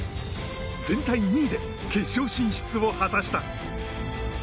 全体２位で決勝進出を果たした。